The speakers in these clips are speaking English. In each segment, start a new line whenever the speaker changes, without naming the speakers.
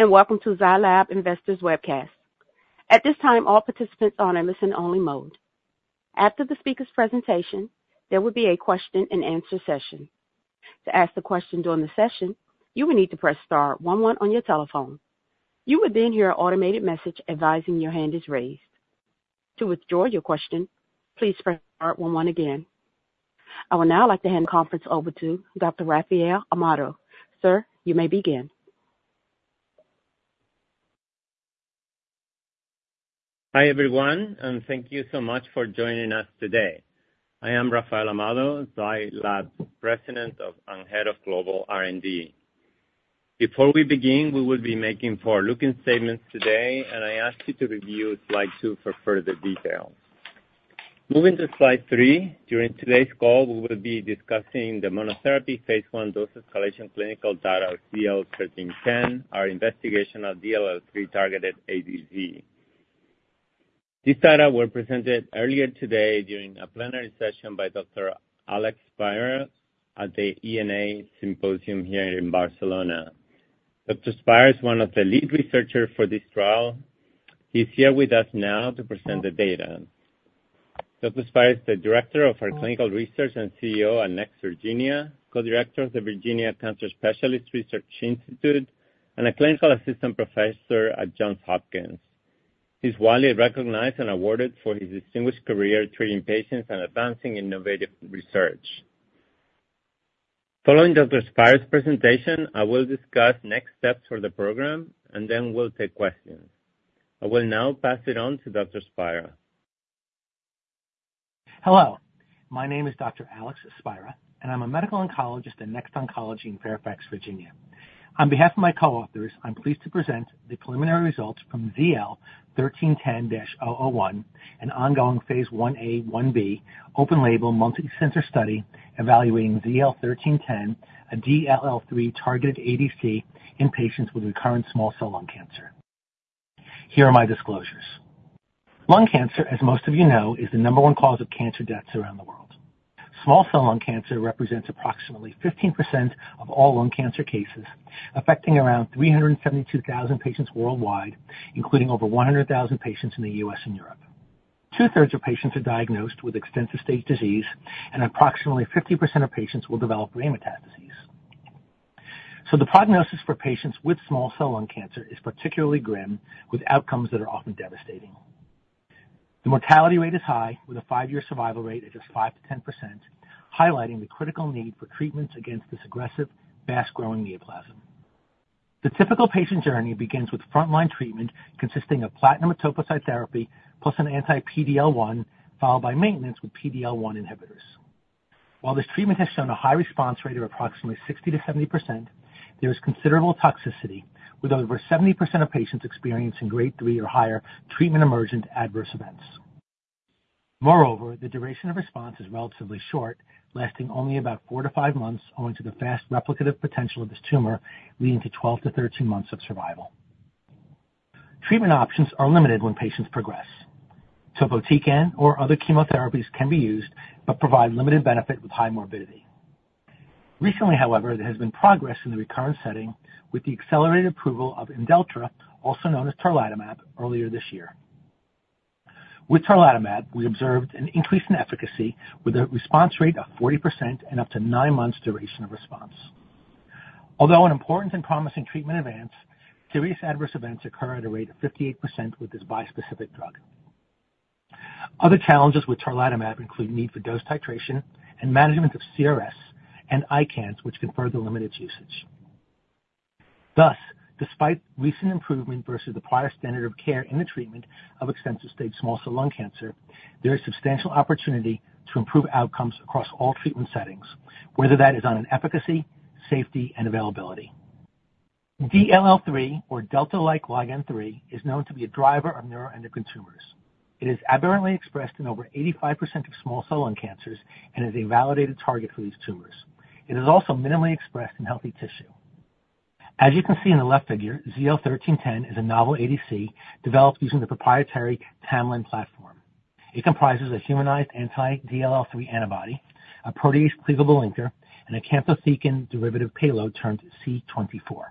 Hello, and welcome to Zai Lab Investors Webcast. At this time, all participants are on a listen-only mode. After the speaker's presentation, there will be a question-and-answer session. To ask the question during the session, you will need to press star one one on your telephone. You will then hear an automated message advising your hand is raised. To withdraw your question, please press star one one again. I would now like to hand the conference over to Dr. Rafael Amado. Sir, you may begin.
Hi, everyone, and thank you so much for joining us today. I am Rafael Amado, Zai Lab's President and Head of Global R&D. Before we begin, we will be making forward-looking statements today, and I ask you to review slide two for further details. Moving to slide three, during today's call, we will be discussing the monotherapy phase I dose-escalation clinical data of ZL-1310, our investigational DLL3-targeted ADC. These data were presented earlier today during a plenary session by Dr. Alex Spira at the EORTC-NCI-AACR Symposium (ENA) here in Barcelona. Dr. Spira is one of the lead researchers for this trial. He's here with us now to present the data. Dr. Spira is the Director of our Clinical Research and CEO at NEXT Virginia, Co-director of the Virginia Cancer Specialists Research Institute, and a Clinical Assistant Professor at Johns Hopkins. He's widely recognized and awarded for his distinguished career treating patients and advancing innovative research. Following Dr. Spira's presentation, I will discuss next steps for the program, and then we'll take questions. I will now pass it on to Dr. Spira.
Hello, my name is Dr. Alex Spira, and I'm a medical oncologist in NEXT Oncology in Fairfax, Virginia. On behalf of my co-authors, I'm pleased to present the preliminary results from ZL-1310-001, an ongoing phase Ia/1b open-label, multicenter study evaluating ZL-1310, a DLL3-targeted ADC in patients with recurrent small cell lung cancer. Here are my disclosures. Lung cancer, as most of you know, is the number one cause of cancer deaths around the world. Small cell lung cancer represents approximately 15% of all lung cancer cases, affecting around 372,000 patients worldwide, including over 100,000 patients in the U.S. and Europe. Two-thirds of patients are diagnosed with extensive stage disease, and approximately 50% of patients will develop brain metastases. The prognosis for patients with small cell lung cancer is particularly grim, with outcomes that are often devastating. The mortality rate is high, with a five-year survival rate of just 5%-10%, highlighting the critical need for treatments against this aggressive, fast-growing neoplasm. The typical patient journey begins with frontline treatment consisting of platinum etoposide therapy, plus an anti-PD-L1, followed by maintenance with PD-L1 inhibitors. While this treatment has shown a high response rate of approximately 60%-70%, there is considerable toxicity, with over 70% of patients experiencing grade three or higher treatment emergent adverse events. Moreover, the duration of response is relatively short, lasting only about 4-5 months, owing to the fast replicative potential of this tumor, leading to 12-13 months of survival. Treatment options are limited when patients progress. Topotecan or other chemotherapies can be used but provide limited benefit with high morbidity. Recently, however, there has been progress in the recurrent setting with the accelerated approval of Imdelltra, also known as tarlatamab, earlier this year. With tarlatamab, we observed an increase in efficacy with a response rate of 40% and up to nine months duration of response. Although an important and promising treatment advance, serious adverse events occur at a rate of 58% with this bispecific drug. Other challenges with tarlatamab include need for dose titration and management of CRS and ICANS, which can further limit its usage. Thus, despite recent improvement versus the prior standard of care in the treatment of extensive-stage small cell lung cancer, there is substantial opportunity to improve outcomes across all treatment settings, whether that is on an efficacy, safety, and availability. DLL3, or delta-like ligand three, is known to be a driver of neuroendocrine tumors. It is aberrantly expressed in over 85% of small cell lung cancers and is a validated target for these tumors. It is also minimally expressed in healthy tissue. As you can see in the left figure, ZL-1310 is a novel ADC developed using the proprietary TMALIN platform. It comprises a humanized anti-DLL3 antibody, a protease cleavable linker, and a camptothecin derivative payload termed C-24.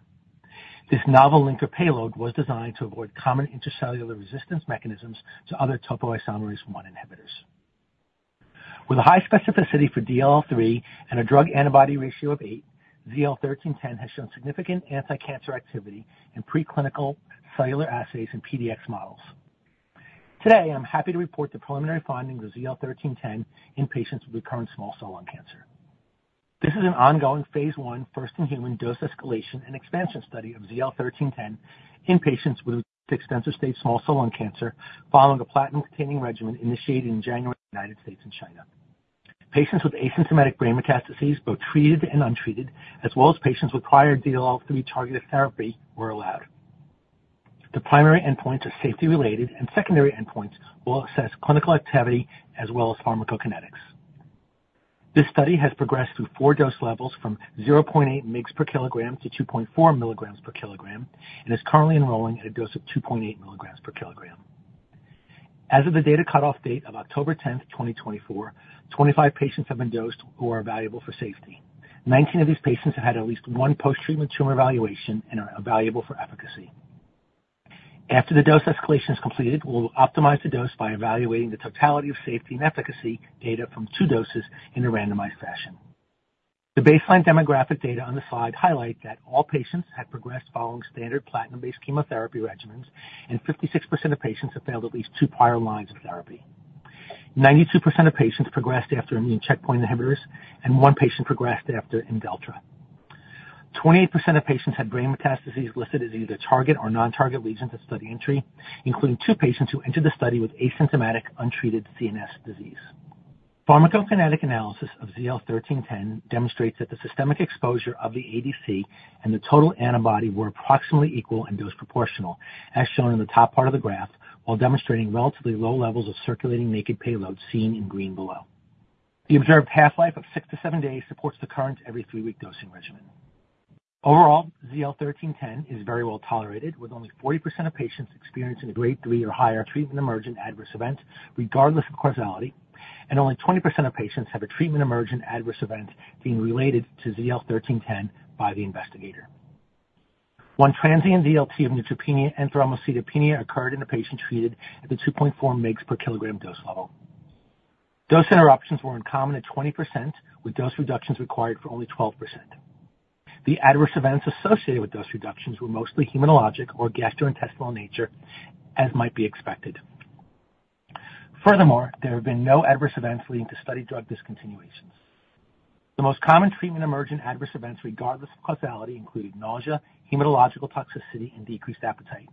This novel linker payload was designed to avoid common intracellular resistance mechanisms to other topoisomerase I inhibitors. With a high specificity for DLL3 and a drug antibody ratio of eight, ZL-1310 has shown significant anticancer activity in preclinical cellular assays and PDX models. Today, I'm happy to report the preliminary findings of ZL-1310 in patients with recurrent small cell lung cancer. This is an ongoing phase I, first-in-human dose escalation and expansion study of ZL-1310 in patients with extensive-stage small cell lung cancer, following a platinum-containing regimen initiated in January in the United States and China. Patients with asymptomatic brain metastases, both treated and untreated, as well as patients with prior DLL3-targeted therapy, were allowed. The primary endpoints are safety-related, and secondary endpoints will assess clinical activity as well as pharmacokinetics. This study has progressed through four dose levels, from 0.8 mg/kg to 2.4 mg/kg, and is currently enrolling at a dose of 2.8 mg/kg. As of the data cutoff date of October 10, 2024, 25 patients have been dosed who are evaluable for safety. Nineteen of these patients have had at least one post-treatment tumor evaluation and are evaluable for efficacy. After the dose escalation is completed, we will optimize the dose by evaluating the totality of safety and efficacy data from two doses in a randomized fashion. The baseline demographic data on the slide highlight that all patients had progressed following standard platinum-based chemotherapy regimens, and 56% of patients have failed at least two prior lines of therapy. 92% of patients progressed after immune checkpoint inhibitors, and one patient progressed after Imdelltra. 28% of patients had brain metastases listed as either target or non-target lesions at study entry, including two patients who entered the study with asymptomatic, untreated CNS disease. Pharmacokinetic analysis of ZL-1310 demonstrates that the systemic exposure of the ADC and the total antibody were approximately equal and dose proportional, as shown in the top part of the graph, while demonstrating relatively low levels of circulating naked payload seen in green below. The observed half-life of six to seven days supports the current every three-week dosing regimen. Overall, ZL-1310 is very well tolerated, with only 40% of patients experiencing a grade three or higher treatment-emergent adverse event, regardless of causality, and only 20% of patients have a treatment-emergent adverse event being related to ZL-1310 by the investigator. One transient DLT of neutropenia and thrombocytopenia occurred in a patient treated at the 2.4 mg per kilogram dose level. Dose interruptions were uncommon at 20%, with dose reductions required for only 12%. The adverse events associated with dose reductions were mostly hematologic or gastrointestinal in nature, as might be expected. Furthermore, there have been no adverse events leading to study drug discontinuations. The most common treatment-emergent adverse events, regardless of causality, included nausea, hematological toxicity, and decreased appetite.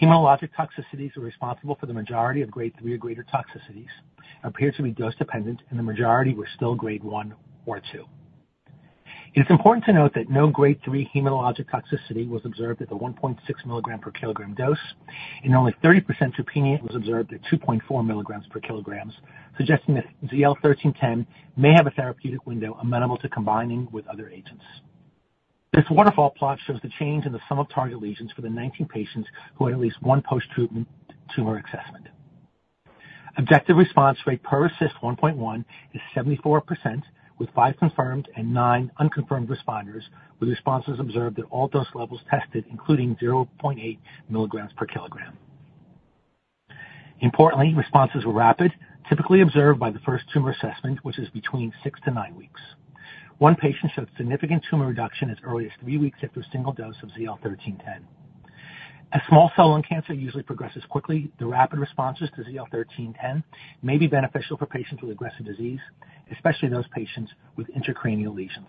Hematologic toxicities were responsible for the majority of grade 3 or greater toxicities, appeared to be dose-dependent, and the majority were still grade 1 or 2. It is important to note that no grade 3 hematologic toxicity was observed at the 1.6 milligram per kilogram dose, and only 30% neutropenia was observed at 2.4 milligrams per kilogram, suggesting that ZL-1310 may have a therapeutic window amenable to combining with other agents. This waterfall plot shows the change in the sum of target lesions for the 19 patients who had at least one post-treatment tumor assessment. Objective response rate per RECIST 1.1 is 74%, with 5 confirmed and 9 unconfirmed responders, with responses observed at all dose levels tested, including 0.8 milligrams per kilogram. Importantly, responses were rapid, typically observed by the first tumor assessment, which is between six to nine weeks. One patient showed significant tumor reduction as early as three weeks after a single dose of ZL-1310. As small cell lung cancer usually progresses quickly, the rapid responses to ZL-1310 may be beneficial for patients with aggressive disease, especially those patients with intracranial lesions.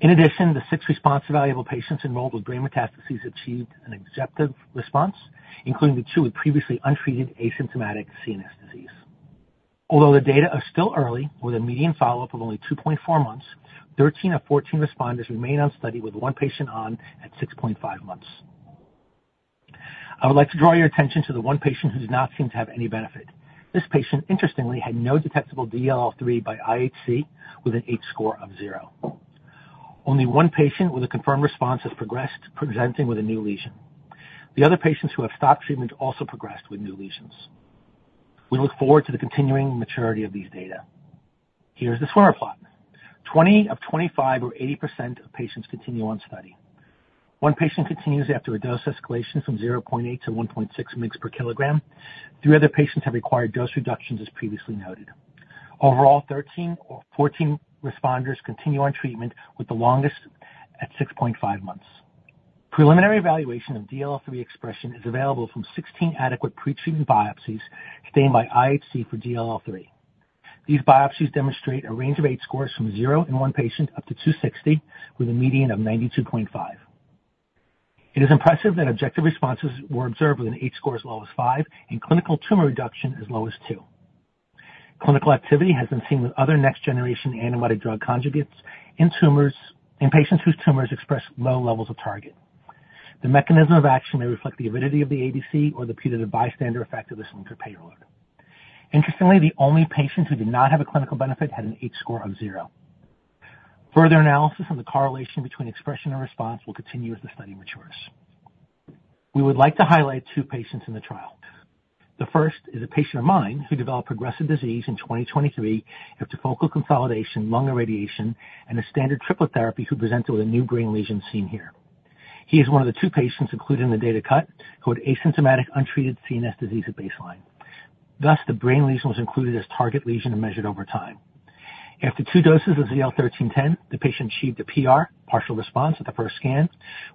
In addition, the six response evaluable patients enrolled with brain metastases achieved an objective response, including the two with previously untreated asymptomatic CNS disease. Although the data are still early, with a median follow-up of only 2.4 months, 13 of 14 responders remain on study, with one patient on at 6.5 months. I would like to draw your attention to the one patient who does not seem to have any benefit. This patient, interestingly, had no detectable DLL3 by IHC, with an H-score of zero. Only one patient with a confirmed response has progressed, presenting with a new lesion. The other patients who have stopped treatment also progressed with new lesions. We look forward to the continuing maturity of these data. Here's the swimmer plot. 20 of 25, or 80% of patients, continue on study. One patient continues after a dose escalation from 0.8 to 1.6 mgs per kilogram. Three other patients have required dose reductions, as previously noted. Overall, 13 or 14 responders continue on treatment, with the longest at 6.5 months. Preliminary evaluation of DLL3 expression is available from 16 adequate pre-treatment biopsies stained by IHC for DLL3. These biopsies demonstrate a range of H-scores from zero in one patient up to 260, with a median of 92.5. It is impressive that objective responses were observed with an H-score as low as five and clinical tumor reduction as low as two. Clinical activity has been seen with other next-generation antibody drug conjugates in tumors, in patients whose tumors express low levels of target. The mechanism of action may reflect the avidity of the ADC or the putative bystander effect of the linker payload. Interestingly, the only patient who did not have a clinical benefit had an H-score of zero. Further analysis on the correlation between expression and response will continue as the study matures. We would like to highlight two patients in the trial. The first is a patient of mine who developed progressive disease in 2023 after focal consolidation, lung irradiation, and a standard triple therapy who presented with a new brain lesion seen here. He is one of the two patients included in the data cut who had asymptomatic, untreated CNS disease at baseline. Thus, the brain lesion was included as target lesion and measured over time. After two doses of ZL-1310, the patient achieved a PR, partial response, at the first scan,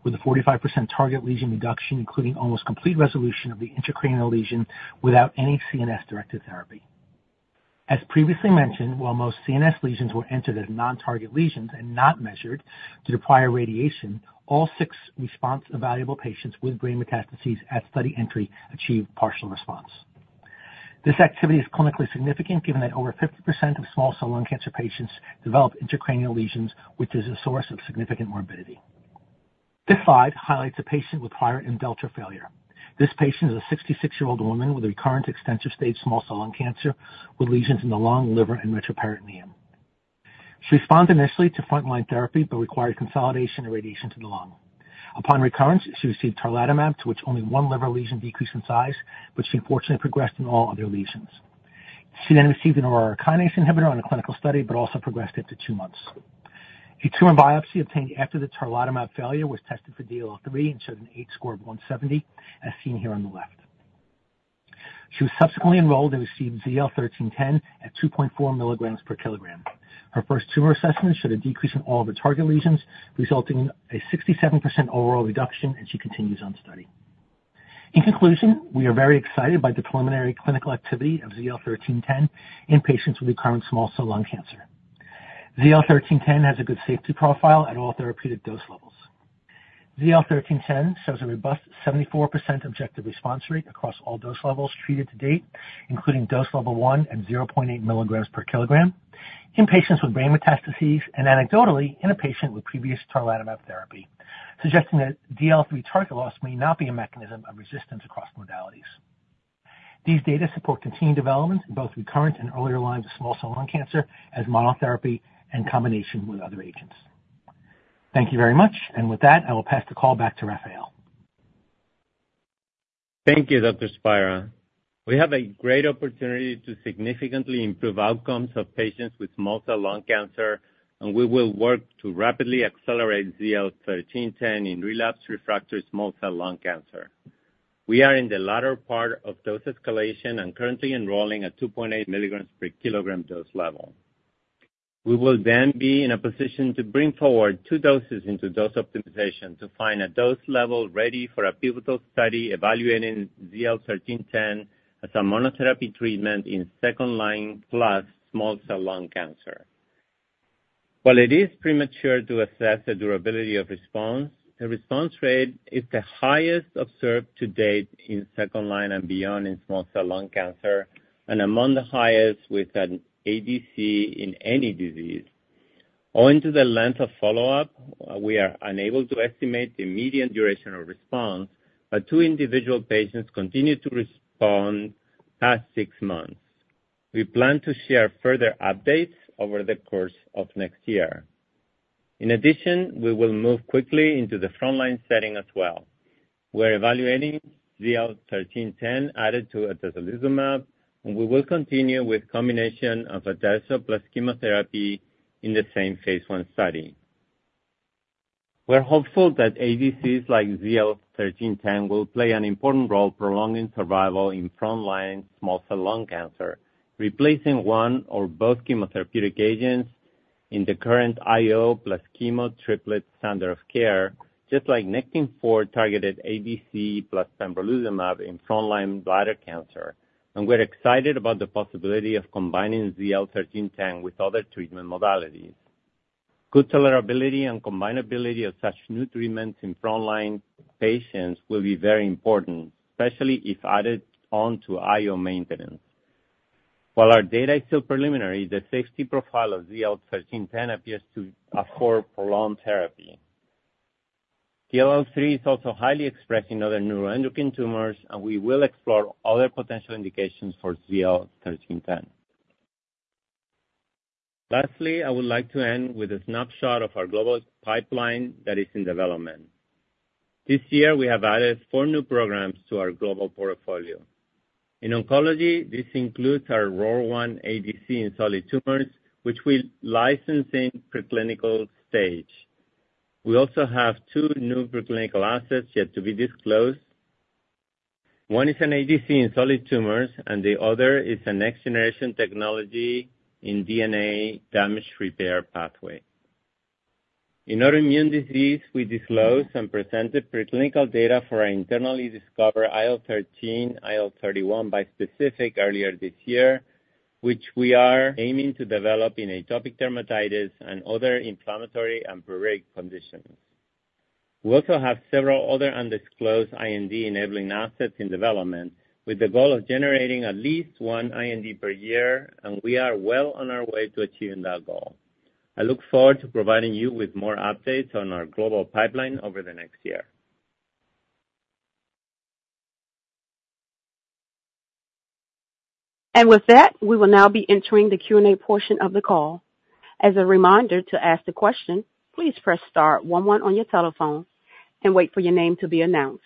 with a 45% target lesion reduction, including almost complete resolution of the intracranial lesion without any CNS-directed therapy. As previously mentioned, while most CNS lesions were entered as non-target lesions and not measured due to prior radiation, all six response evaluable patients with brain metastases at study entry achieved partial response. This activity is clinically significant, given that over 50% of small cell lung cancer patients develop intracranial lesions, which is a source of significant morbidity. This slide highlights a patient with prior Imdelltra failure. This patient is a 66-year-old woman with a recurrent, extensive stage small cell lung cancer, with lesions in the lung, liver, and peritoneum. She responded initially to frontline therapy, but required consolidation and radiation to the lung. Upon recurrence, she received tarlatamab, to which only one liver lesion decreased in size, but she unfortunately progressed in all other lesions. She then received an Aurora kinase inhibitor on a clinical study, but also progressed after two months. A tumor biopsy obtained after the tarlatamab failure was tested for DLL3 and showed an H-score of 170, as seen here on the left. She was subsequently enrolled and received ZL-1310 at 2.4 milligrams per kilogram. Her first tumor assessment showed a decrease in all of her target lesions, resulting in a 67% overall reduction, and she continues on study. In conclusion, we are very excited by the preliminary clinical activity of ZL-1310 in patients with recurrent small cell lung cancer. ZL-1310 has a good safety profile at all therapeutic dose levels. ZL-1310 shows a robust 74% objective response rate across all dose levels treated to date, including dose level 1 and 0.8 milligrams per kilogram in patients with brain metastases, and anecdotally, in a patient with previous tarlatamab therapy, suggesting that DLL3 target loss may not be a mechanism of resistance across modalities. These data support continued development in both recurrent and earlier lines of small cell lung cancer as monotherapy and combination with other agents. Thank you very much, and with that, I will pass the call back to Rafael.
Thank you, Dr. Spira. We have a great opportunity to significantly improve outcomes of patients with small cell lung cancer, and we will work to rapidly accelerate ZL-1310 in relapsed refractory small cell lung cancer. We are in the latter part of dose escalation and currently enrolling at 2.8 milligrams per kilogram dose level. We will then be in a position to bring forward two doses into dose optimization to find a dose level ready for a pivotal study evaluating ZL-1310 as a monotherapy treatment in second-line plus small cell lung cancer. While it is premature to assess the durability of response, the response rate is the highest observed to date in second line and beyond in small cell lung cancer, and among the highest with an ADC in any disease. Owing to the length of follow-up, we are unable to estimate the median duration of response, but two individual patients continue to respond past six months. We plan to share further updates over the course of next year. In addition, we will move quickly into the frontline setting as well. We're evaluating ZL-1310 added to atezolizumab, and we will continue with combination of atezo plus chemotherapy in the same phase I study. We're hopeful that ADCs like ZL-1310 will play an important role prolonging survival in frontline small cell lung cancer, replacing one or both chemotherapeutic agents in the current IO plus chemo triplet standard of care, just like Nectin-4 targeted ADC plus pembrolizumab in frontline bladder cancer, and we're excited about the possibility of combining ZL-1310 with other treatment modalities. Good tolerability and combinability of such new treatments in frontline patients will be very important, especially if added on to IO maintenance. While our data is still preliminary, the safety profile of ZL-1310 appears to afford prolonged therapy. DLL3 is also highly expressed in other neuroendocrine tumors, and we will explore other potential indications for ZL-1310. Lastly, I would like to end with a snapshot of our global pipeline that is in development. This year, we have added four new programs to our global portfolio. In oncology, this includes our ROR1 ADC in solid tumors, which we're licensing preclinical stage. We also have two new preclinical assets yet to be disclosed. One is an ADC in solid tumors, and the other is a next-generation technology in DNA damage repair pathway. In autoimmune disease, we disclosed some presented preclinical data for our internally discovered IL-13/IL-31 bispecific earlier this year, which we are aiming to develop in atopic dermatitis and other inflammatory and pruritic conditions. We also have several other undisclosed IND-enabling assets in development, with the goal of generating at least one IND per year, and we are well on our way to achieving that goal. I look forward to providing you with more updates on our global pipeline over the next year.
With that, we will now be entering the Q&A portion of the call. As a reminder to ask the question, please press star one one on your telephone and wait for your name to be announced.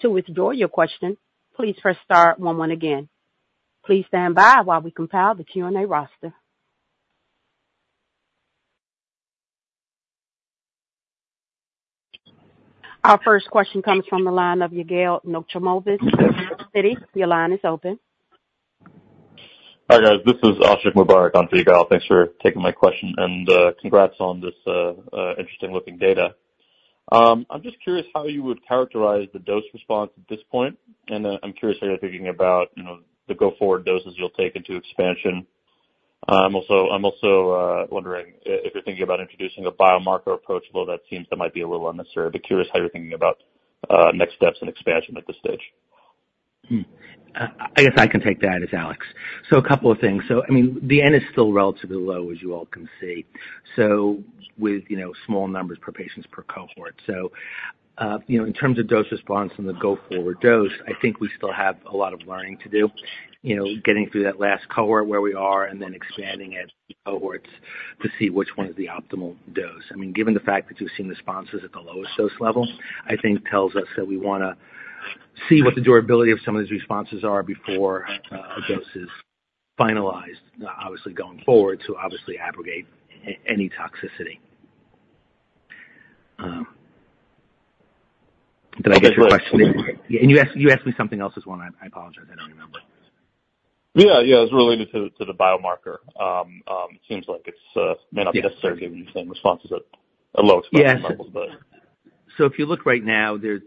To withdraw your question, please press star one one again. Please stand by while we compile the Q&A roster. Our first question comes from the line of Yigal Nochomovitz, Citi. Your line is open.
Hi, guys, this is Ashiq Mubarack on Yigal. Thanks for taking my question, and congrats on this interesting looking data. I'm just curious how you would characterize the dose response at this point, and I'm curious how you're thinking about, you know, the go-forward doses you'll take into expansion. Also, I'm also wondering if you're thinking about introducing a biomarker approach, although that seems that might be a little unnecessary, but curious how you're thinking about next steps and expansion at this stage?
I guess I can take that as Alex. So a couple of things. So, I mean, the N is still relatively low, as you all can see, so with, you know, small numbers per patients per cohort. So,... You know, in terms of dose response and the go-forward dose, I think we still have a lot of learning to do. You know, getting through that last cohort where we are and then expanding it cohorts to see which one is the optimal dose. I mean, given the fact that you've seen the responses at the lowest dose level, I think tells us that we wanna see what the durability of some of these responses are before a dose is finalized. Obviously, going forward to obviously abrogate any toxicity. Did I get your question in? You asked me something else as well, and I apologize, I don't remember.
Yeah, yeah, it was related to the biomarker. It seems like it's may not be necessarily giving the same responses at low expression levels, but-
So if you look right now, there's,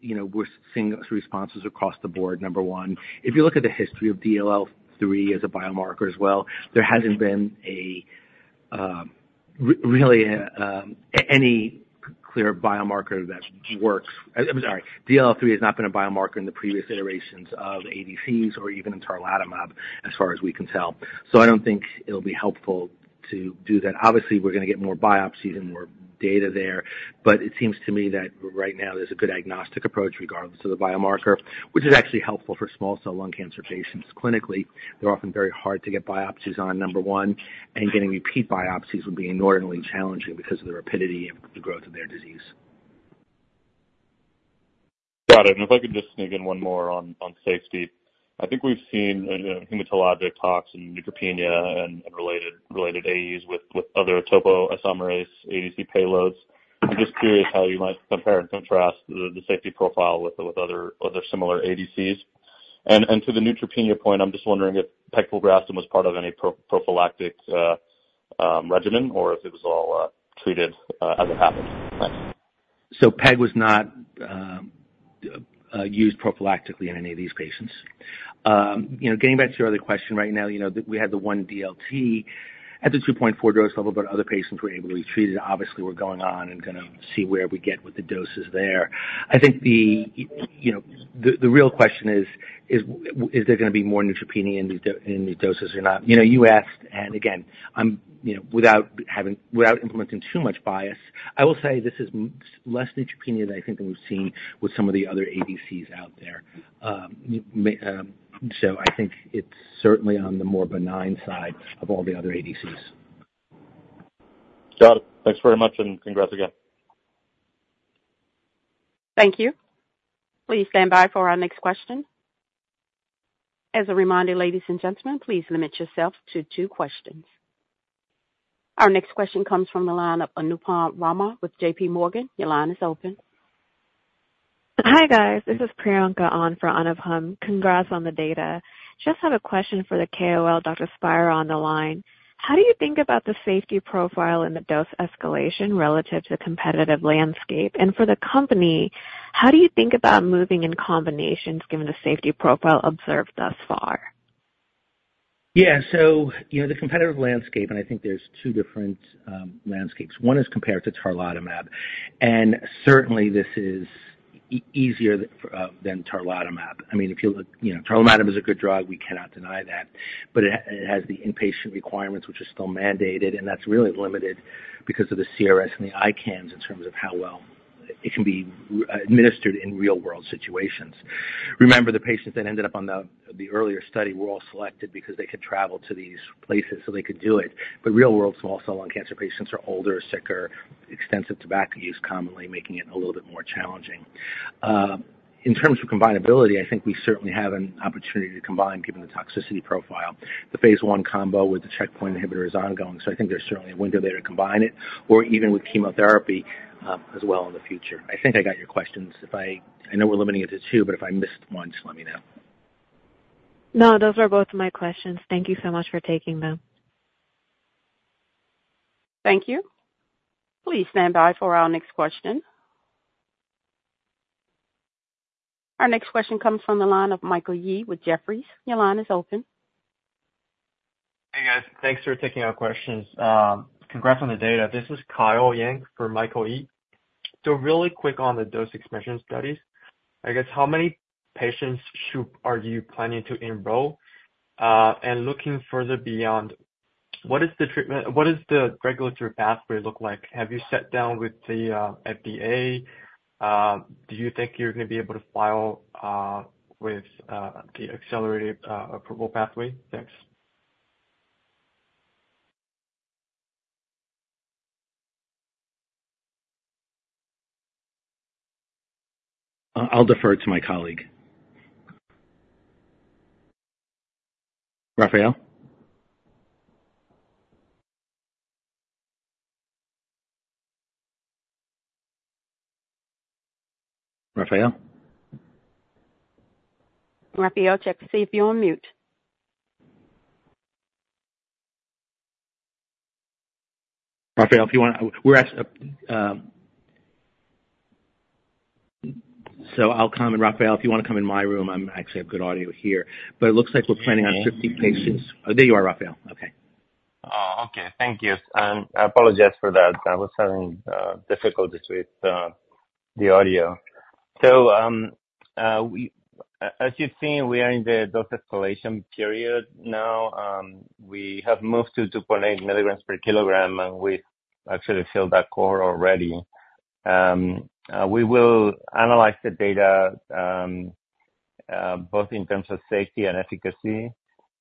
you know, we're seeing responses across the board, number one. If you look at the history of DLL3 as a biomarker as well, there hasn't been a really any clear biomarker that works. I'm sorry. DLL3 has not been a biomarker in the previous iterations of ADCs or even in tarlatamab, as far as we can tell. So I don't think it'll be helpful to do that. Obviously, we're gonna get more biopsies and more data there, but it seems to me that right now there's a good agnostic approach regardless of the biomarker, which is actually helpful for small cell lung cancer patients. Clinically, they're often very hard to get biopsies on, number one, and getting repeat biopsies would be inordinately challenging because of the rapidity of the growth of their disease.
Got it. And if I could just sneak in one more on safety. I think we've seen hematologic talks and neutropenia and related AEs with other topoisomerase ADC payloads. I'm just curious how you might compare and contrast the safety profile with other similar ADCs. And to the neutropenia point, I'm just wondering if Pegfilgrastim was part of any prophylactic regimen, or if it was all treated as it happened? Thanks.
So PEG was not used prophylactically in any of these patients. You know, getting back to your other question right now, you know, the, we had the one DLT at the 2.4 dose level, but other patients were able to be treated. Obviously, we're going on and gonna see where we get with the doses there. I think the, you know, the real question is, is there gonna be more neutropenia in new doses or not? You know, you asked, and again, I'm, you know, without having without implementing too much bias, I will say this is less neutropenia than I think than we've seen with some of the other ADCs out there. So I think it's certainly on the more benign side of all the other ADCs.
Got it. Thanks very much, and congrats again.
Thank you. Please stand by for our next question. As a reminder, ladies and gentlemen, please limit yourself to two questions. Our next question comes from the line of Anupam Rama with J.P. Morgan. Your line is open. Hi, guys. This is Priyanka on for Anupam. Congrats on the data. Just have a question for the KOL, Dr. Spira, on the line. How do you think about the safety profile and the dose escalation relative to the competitive landscape? And for the company, how do you think about moving in combinations given the safety profile observed thus far?
Yeah. So, you know, the competitive landscape, and I think there's two different landscapes. One is compared to tarlatamab, and certainly this is easier than tarlatamab. I mean, if you look, you know, tarlatamab is a good drug, we cannot deny that, but it has the inpatient requirements, which are still mandated, and that's really limited because of the CRS and the ICANS in terms of how well it can be administered in real world situations. Remember, the patients that ended up on the earlier study were all selected because they could travel to these places, so they could do it. But real world small cell lung cancer patients are older, sicker, extensive tobacco use, commonly making it a little bit more challenging. In terms of combinability, I think we certainly have an opportunity to combine given the toxicity profile. The phase I combo with the checkpoint inhibitor is ongoing, so I think there's certainly a window there to combine it, or even with chemotherapy, as well in the future. I think I got your questions. If I... I know we're limiting it to two, but if I missed one, just let me know. No, those are both my questions. Thank you so much for taking them.
Thank you. Please stand by for our next question. Our next question comes from the line of Michael Yee with Jefferies. Your line is open.
Hey, guys. Thanks for taking our questions. Congrats on the data. This is Kyle Yang for Michael Yee. So really quick on the dose expansion studies, I guess how many patients are you planning to enroll? And looking further beyond, what does the regulatory pathway look like? Have you sat down with the FDA? Do you think you're gonna be able to file with the accelerated approval pathway? Thanks.
I'll defer to my colleague. Rafael? Rafael?
Rafael, check to see if you're on mute.
So I'll come, and Rafael, if you wanna come in my room, I'm actually have good audio here, but it looks like we're planning on 50 patients. Oh, there you are, Rafael. Okay.
Oh, okay. Thank you. I apologize for that. I was having difficulties with the audio.... So, as you've seen, we are in the dose escalation period now. We have moved to 2.8 milligrams per kilogram, and we actually filled that cohort already. We will analyze the data both in terms of safety and efficacy,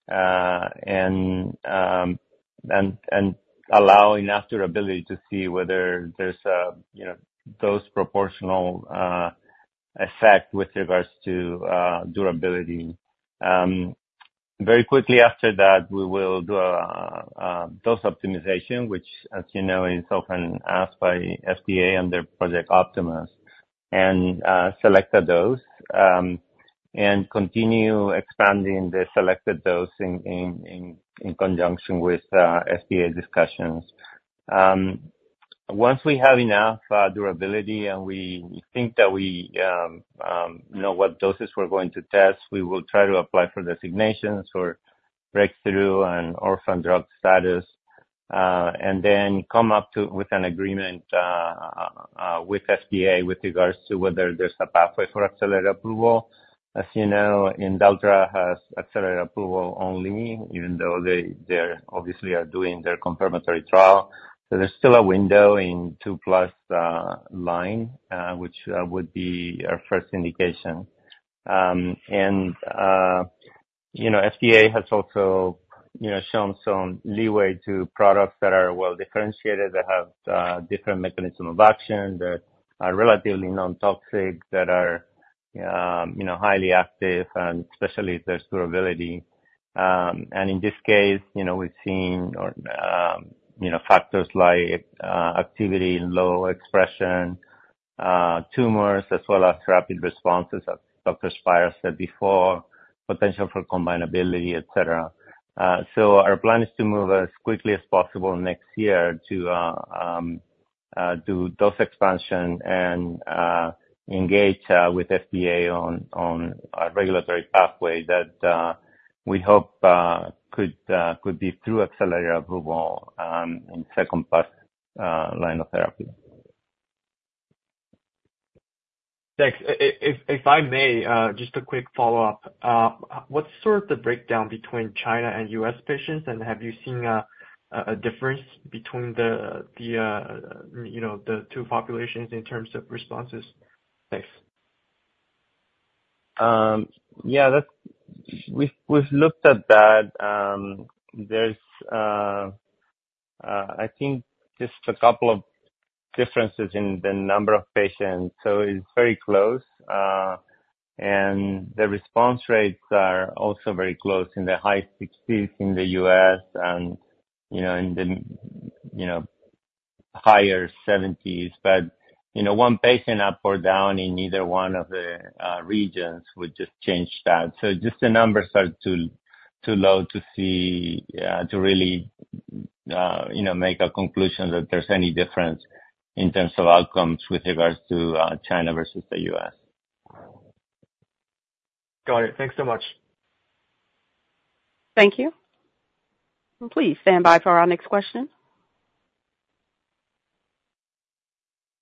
and allow enough durability to see whether there's a, you know, dose proportional effect with regards to durability. Very quickly after that, we will do a dose optimization, which, as you know, is often asked by FDA and their Project Optimus, and select a dose, and continue expanding the selected dose in conjunction with FDA discussions. Once we have enough durability and we think that we know what doses we're going to test, we will try to apply for designations for breakthrough and orphan drug status, and then come up with an agreement with FDA with regards to whether there's a pathway for accelerated approval. As you know, Imdelltra has accelerated approval only, even though they, they're obviously are doing their confirmatory trial. So there's still a window in two plus line, which would be our first indication. And you know, FDA has also, you know, shown some leeway to products that are well differentiated, that have different mechanism of action, that are relatively non-toxic, that are, you know, highly active, and especially if there's durability. And in this case, you know, we've seen or you know factors like activity in low expression tumors, as well as rapid responses, as Dr. Spira said before, potential for combinability, et cetera. So our plan is to move as quickly as possible next year to do dose expansion and engage with FDA on a regulatory pathway that we hope could be through accelerated approval in second-line therapy.
Thanks. If I may, just a quick follow-up. What's sort of the breakdown between China and U.S. patients, and have you seen a difference between the two populations in terms of responses? Thanks.
Yeah, that's we've looked at that. There's, I think just a couple of differences in the number of patients, so it's very close. And the response rates are also very close, in the high sixties in the U.S. and, you know, in the higher seventies. But, you know, one patient up or down in either one of the regions would just change that. So just the numbers are too low to see to really you know make a conclusion that there's any difference in terms of outcomes with regards to China versus the U.S.
Got it. Thanks so much.
Thank you. Please stand by for our next question.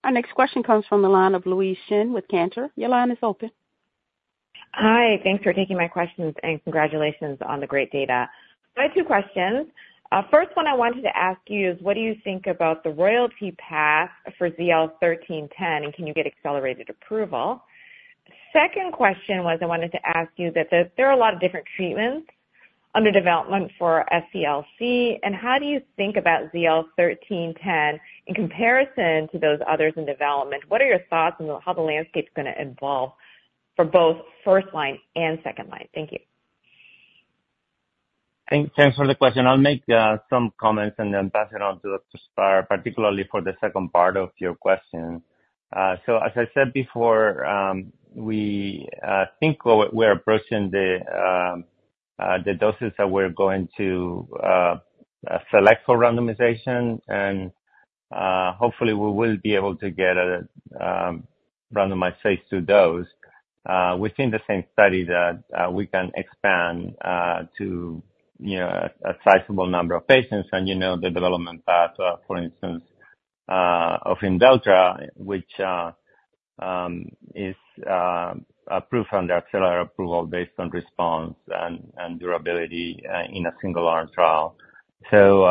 Our next question comes from the line of Louise Chen with Cantor. Your line is open.
Hi, thanks for taking my questions, and congratulations on the great data. So I have two questions. First one I wanted to ask you is, what do you think about the regulatory path for ZL-1310, and can you get accelerated approval? Second question was, I wanted to ask you that there are a lot of different treatments under development for SCLC, and how do you think about ZL-1310 in comparison to those others in development? What are your thoughts on how the landscape is gonna evolve for both first line and second line? Thank you.
Thanks for the question. I'll make some comments and then pass it on to Dr. Spira, particularly for the second part of your question. So as I said before, we think we're approaching the doses that we're going to select for randomization, and hopefully, we will be able to get a randomized phase II dose within the same study that we can expand to, you know, a sizable number of patients. And, you know, the development path, for instance, of Imdelltra, which is approved under accelerated approval based on response and durability in a single arm trial. So,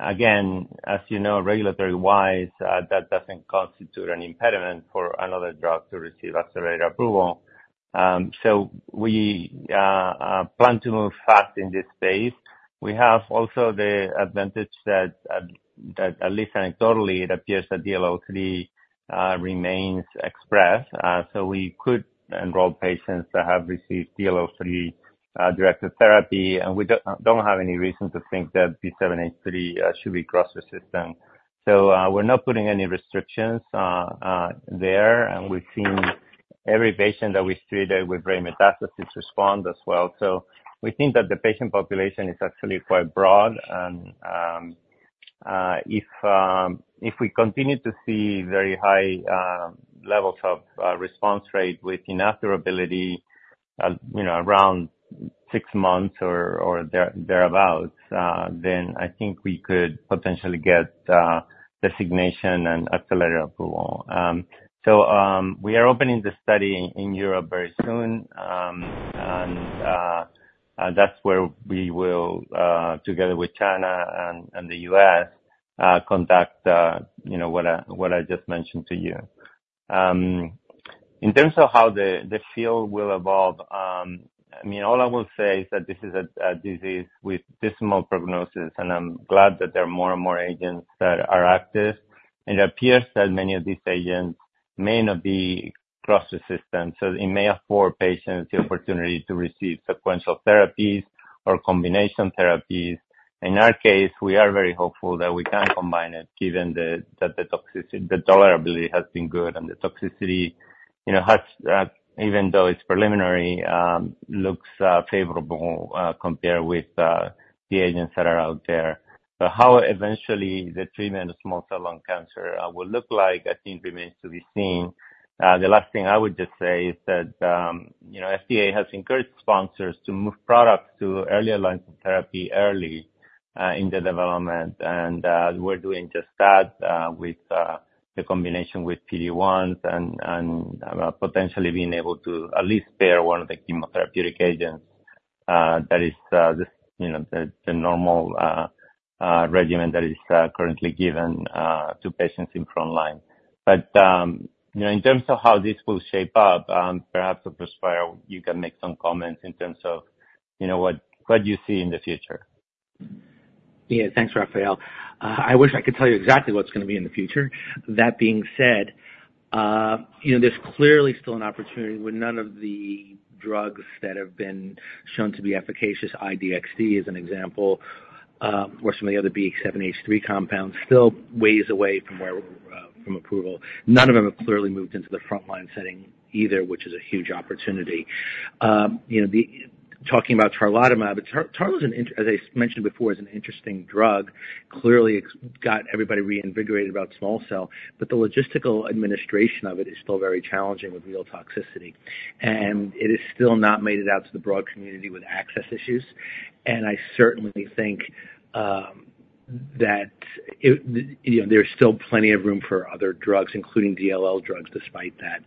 again, as you know, regulatory-wise, that doesn't constitute an impediment for another drug to receive accelerated approval. So we plan to move fast in this space. We have also the advantage that at least anecdotally, it appears that DLL3 remains expressed. So we could enroll patients that have received DLL3 directed therapy, and we don't have any reason to think that B7-H3 should be cross-resistant. So we're not putting any restrictions there, and we've seen every patient that we've treated with brain metastases respond as well. So we think that the patient population is actually quite broad, and if we continue to see very high levels of response rate with enough durability, you know, around six months or thereabout, then I think we could potentially get designation and accelerated approval. So, we are opening the study in Europe very soon. That's where we will, together with China and the US, conduct, you know, what I just mentioned to you. In terms of how the field will evolve, I mean, all I will say is that this is a disease with dismal prognosis, and I'm glad that there are more and more agents that are active. It appears that many of these agents may not be across the system, so it may afford patients the opportunity to receive sequential therapies or combination therapies. In our case, we are very hopeful that we can combine it, given the, that the toxicity, the tolerability has been good and the toxicity, you know, has, even though it's preliminary, looks, favorable, compared with, the agents that are out there. But how eventually the treatment of small cell lung cancer, will look like, I think remains to be seen. The last thing I would just say is that, you know, FDA has encouraged sponsors to move products to earlier line of therapy early, in the development. And, we're doing just that, with, the combination with PD-1 and, and, potentially being able to at least pair one of the chemotherapeutic agents, that is, just, you know, the, the normal, regimen that is, currently given, to patients in frontline. You know, in terms of how this will shape up, perhaps Dr. Spira, you can make some comments in terms of, you know, what you see in the future.
Yeah. Thanks, Rafael. I wish I could tell you exactly what's gonna be in the future. That being said, you know, there's clearly still an opportunity with none of the drugs that have been shown to be efficacious, I-DXd as an example, or some of the other B7-H3 compounds, still ways away from where we're from approval. None of them have clearly moved into the frontline setting either, which is a huge opportunity. You know, talking about Tarlatamab, but Tarla's, as I mentioned before, is an interesting drug. Clearly, it's got everybody reinvigorated about small cell, but the logistical administration of it is still very challenging with real toxicity. And it has still not made it out to the broad community with access issues. I certainly think that it, you know, there's still plenty of room for other drugs, including DLL drugs, despite that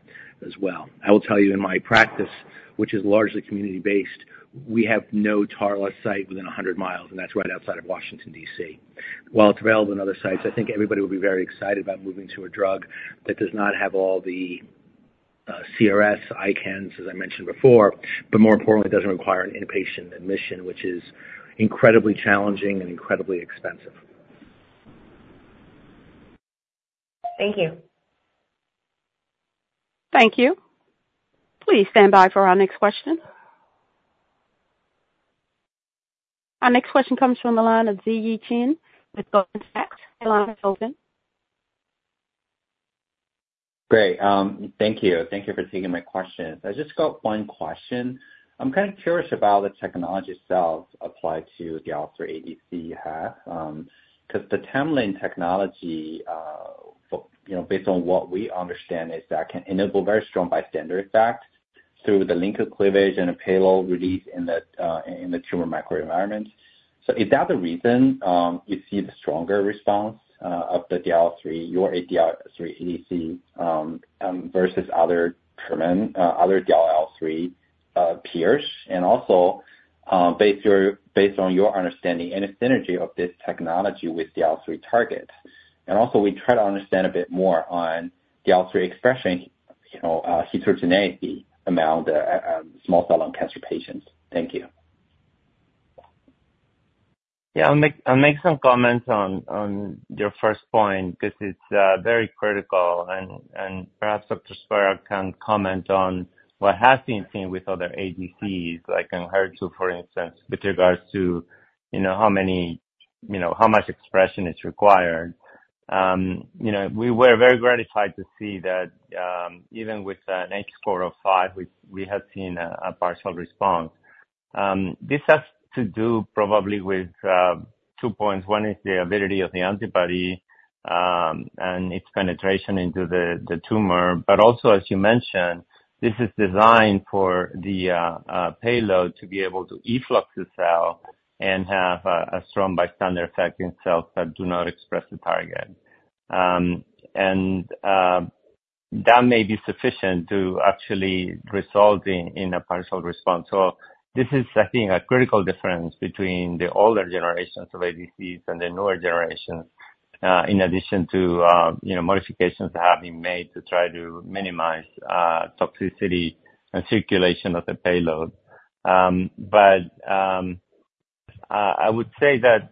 as well. I will tell you, in my practice, which is largely community-based, we have no tarlatamab site within a hundred miles, and that's right outside of Washington, D.C. While it's available on other sites, I think everybody will be very excited about moving to a drug that does not have all the CRS, ICANS, as I mentioned before, but more importantly, doesn't require an inpatient admission, which is incredibly challenging and incredibly expensive. Thank you.
Thank you. Please stand by for our next question. Our next question comes from the line of Zhiyi Qin with Goldman Sachs. Your line is open.
Great. Thank you. Thank you for taking my question. I just got one question. I'm kind of curious about the technology itself applied to the ADC you have. Because the TMALIN technology, for, you know, based on what we understand, is that can enable very strong bystander effect through the linker cleavage and a payload release in the, in the tumor microenvironment. So is that the reason, you see the stronger response, of the DLL3, your DLL3 ADC, versus other treatment, other DLL3, peers? And also, based on your understanding, any synergy of this technology with DLL3 targets? And also, we try to understand a bit more on DLL3 expression, you know, heterogeneity among the, small cell lung cancer patients. Thank you.
Yeah, I'll make some comments on your first point, because it's very critical, and perhaps Dr. Spira can comment on what has been seen with other ADCs, like Enhertu, for instance, with regards to, you know, how many- you know, how much expression is required. You know, we were very gratified to see that, even with an H-score of five, we have seen a partial response. This has to do probably with two points. One is the ability of the antibody and its penetration into the tumor. But also, as you mentioned, this is designed for the payload to be able to efflux the cell and have a strong bystander effect in cells that do not express the target. And that may be sufficient to actually resulting in a partial response. This is, I think, a critical difference between the older generations of ADCs and the newer generations, in addition to, you know, modifications that have been made to try to minimize, toxicity and circulation of the payload. But, I would say that,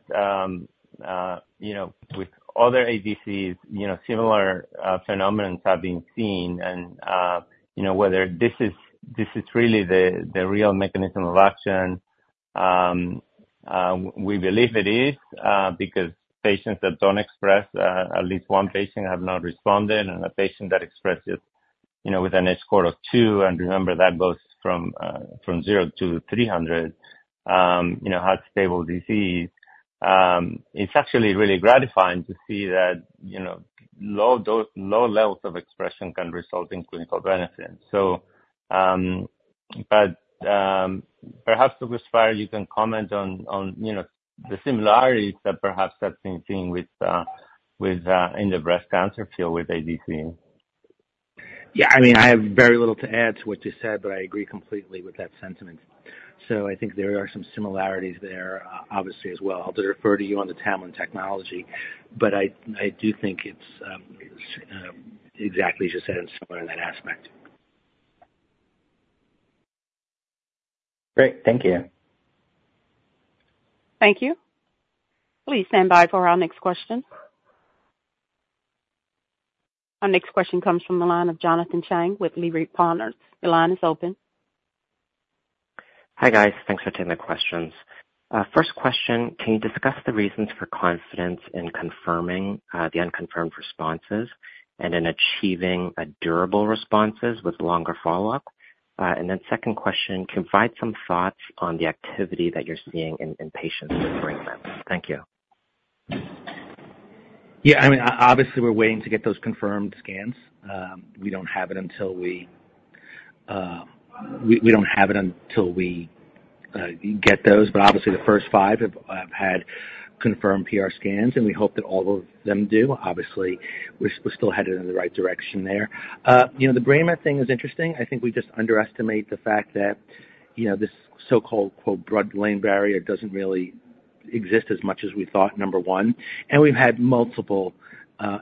you know, with other ADCs, you know, similar phenomena have been seen. And, you know, whether this is really the real mechanism of action, we believe it is, because patients that don't express, at least one patient have not responded, and a patient that expresses, you know, with an H-score of 2, and remember, that goes from 0 to 300, you know, had stable disease. It's actually really gratifying to see that, you know, low levels of expression can result in clinical benefit. So, but, perhaps, Dr. Spira, you can comment on, you know, the similarities that perhaps that same thing with, with, in the breast cancer field with ADC.
Yeah, I mean, I have very little to add to what you said, but I agree completely with that sentiment. So I think there are some similarities there, obviously, as well. I'll defer to you on the TMALIN technology, but I do think it's exactly as you said, and similar in that aspect.
Great. Thank you.
Thank you. Please stand by for our next question. Our next question comes from the line of Jonathan Chang with Leerink Partners. Your line is open.
Hi, guys. Thanks for taking the questions. First question, can you discuss the reasons for confidence in confirming the unconfirmed responses and in achieving a durable responses with longer follow-up? And then second question, can you provide some thoughts on the activity that you're seeing in patients with brain mets? Thank you.
Yeah, I mean, obviously, we're waiting to get those confirmed scans. We don't have it until we get those. But obviously, the first five have had confirmed PR scans, and we hope that all of them do. Obviously, we're still headed in the right direction there. You know, the brain met thing is interesting. I think we just underestimate the fact that, you know, this so-called, quote, "blood-brain barrier" doesn't really exist as much as we thought, number one, and we've had multiple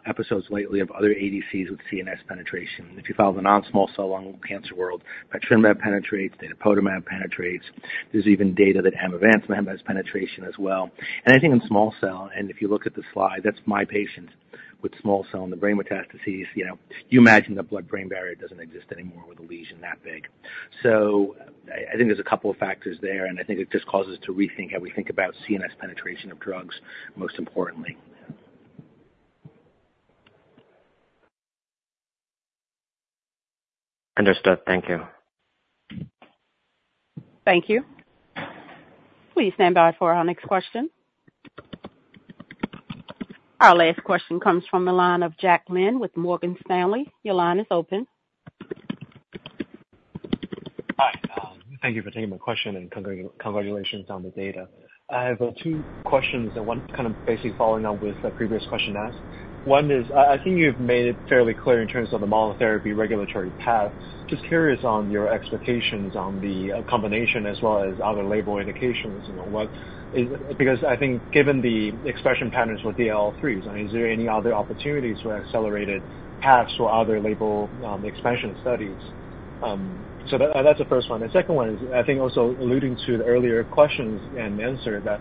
episodes lately of other ADCs with CNS penetration. If you follow the non-small cell lung cancer world, pertuzumab penetrates, nipotumab penetrates. There's even data that amivantamab has penetration as well. And I think in small cell, and if you look at the slide, that's my patient with small cell and the brain metastases, you know. You imagine the blood-brain barrier doesn't exist anymore with a lesion that big. So I think there's a couple of factors there, and I think it just causes us to rethink how we think about CNS penetration of drugs, most importantly.
Understood. Thank you.
Thank you. Please stand by for our next question. Our last question comes from the line of Jack Lin with Morgan Stanley. Your line is open.
Hi, thank you for taking my question, and congratulations on the data. I have two questions and one kind of basically following up with the previous question asked. One is, I think you've made it fairly clear in terms of the monotherapy regulatory path. Just curious on your expectations on the combination, as well as other label indications. You know, what is. Because I think given the expression patterns with DLL3s, I mean, is there any other opportunities for accelerated paths or other label expansion studies? So that's the first one. The second one is, I think also alluding to the earlier questions and answer, that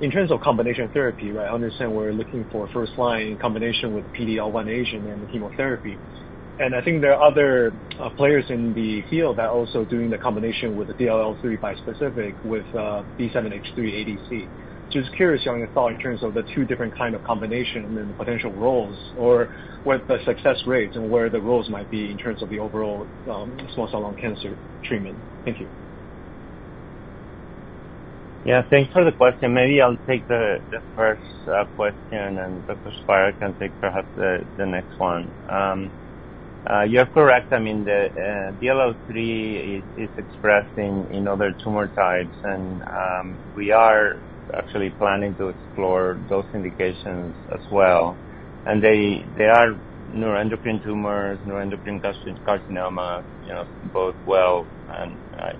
in terms of combination therapy, right, I understand we're looking for first line in combination with PD-L1 agent and the chemotherapy. And I think there are other players in the field that are also doing the combination with the DLL3 bispecific, with B7-H3 ADC. Just curious on your thought in terms of the two different kind of combination and the potential roles, or what the success rates and where the roles might be in terms of the overall small cell lung cancer treatment. Thank you.
Yeah, thanks for the question. Maybe I'll take the first question, and Dr. Spira can take perhaps the next one. You're correct. I mean, the DLL3 is expressed in other tumor types, and we are actually planning to explore those indications as well, and they are neuroendocrine tumors, neuroendocrine carcinoma, you know, both well- and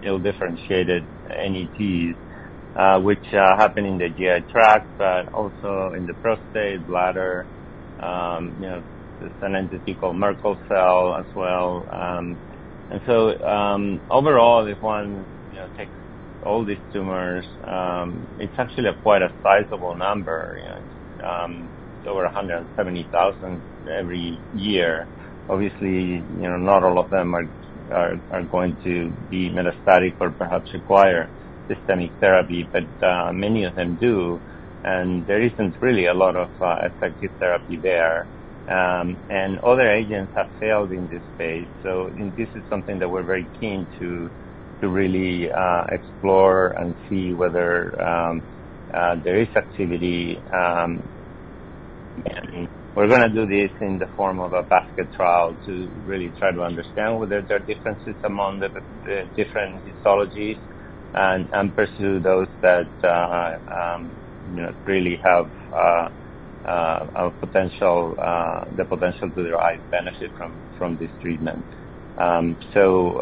poorly-differentiated NETs, which happen in the GI tract, but also in the prostate, bladder, you know, there's an entity called Merkel cell as well, and so overall, if one you know takes all these tumors, it's actually quite a sizable number. You know, over 170,000 every year. Obviously, you know, not all of them are going to be metastatic or perhaps require systemic therapy, but many of them do, and there isn't really a lot of effective therapy there. And other agents have failed in this space, so this is something that we're very keen to really explore and see whether there is activity. We're gonna do this in the form of a basket trial to really try to understand whether there are differences among the different pathologies and pursue those that you know really have the potential to derive benefit from this treatment. So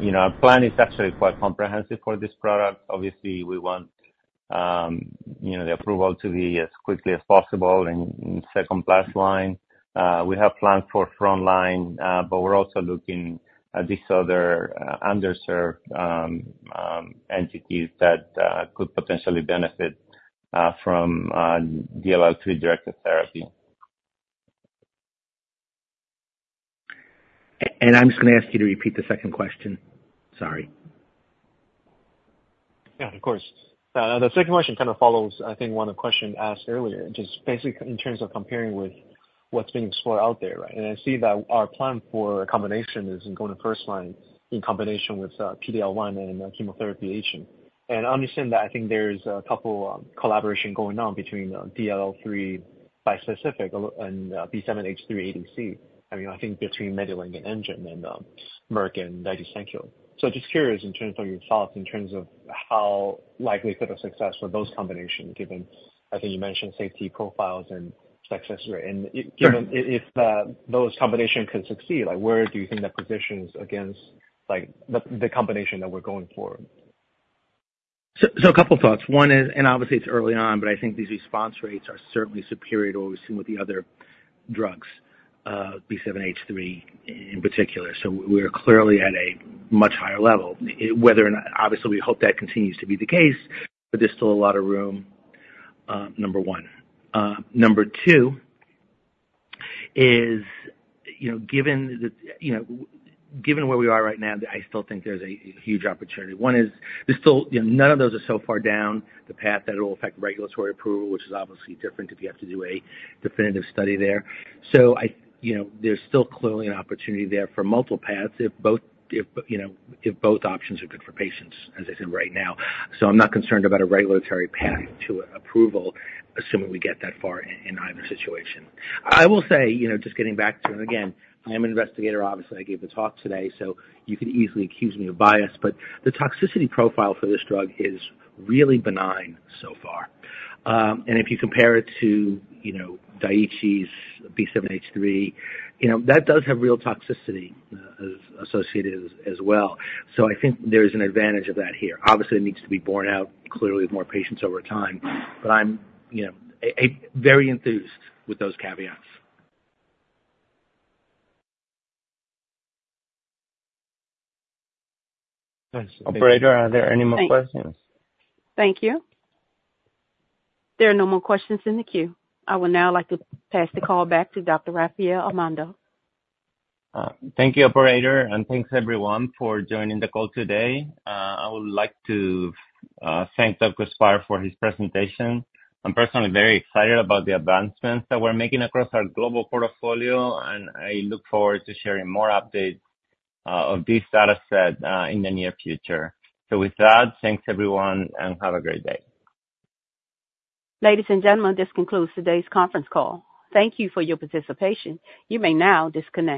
you know, our plan is actually quite comprehensive for this product. Obviously, we want, you know, the approval to be as quickly as possible in second plus line. We have plans for front line, but we're also looking at these other underserved entities that could potentially benefit from DLL3-directed therapy.
And I'm just gonna ask you to repeat the second question. Sorry.
Yeah, of course. The second question kind of follows, I think, one of the question asked earlier, just basically in terms of comparing with what's being explored out there, right? And I see that our plan for a combination is going to first line in combination with PD-L1 and a chemotherapy agent. And I understand that I think there's a couple collaboration going on between DLL3 bispecific and B7-H3 ADC, I mean, I think between MediLink and Amgen and Merck and Daiichi Sankyo. So just curious in terms of your thoughts, in terms of how likelihood of success for those combination, given I think you mentioned safety profiles and success rate. And i-
Sure.
Given if those combination can succeed, like, where do you think that positions against, like, the combination that we're going for?
So a couple thoughts. One is, and obviously it's early on, but I think these response rates are certainly superior to what we've seen with the other drugs, B7-H3 in particular. So we are clearly at a much higher level. Whether or not, obviously, we hope that continues to be the case, but there's still a lot of room, number one. Number two is, you know, given where we are right now, I still think there's a huge opportunity. One is there's still, you know, none of those are so far down the path that it will affect regulatory approval, which is obviously different if you have to do a definitive study there. So you know, there's still clearly an opportunity there for multiple paths if both you know, if both options are good for patients, as I said right now. So I'm not concerned about a regulatory path to approval, assuming we get that far in either situation. I will say, you know, just getting back to, and again, I am an investigator, obviously, I gave the talk today, so you could easily accuse me of bias. But the toxicity profile for this drug is really benign so far. And if you compare it to, you know, Daiichi's B7-H3, you know, that does have real toxicity, as well. So I think there's an advantage of that here. Obviously, it needs to be borne out clearly with more patients over time, but I'm, you know, a very enthused with those caveats.
Thanks.
Operator, are there any more questions?
Thank you. There are no more questions in the queue. I would now like to pass the call back to Dr. Rafael Amado.
Thank you, operator, and thanks everyone for joining the call today. I would like to thank Dr. Spira for his presentation. I'm personally very excited about the advancements that we're making across our global portfolio, and I look forward to sharing more updates of this data set in the near future. So with that, thanks everyone, and have a great day.
Ladies and gentlemen, this concludes today's conference call. Thank you for your participation. You may now disconnect.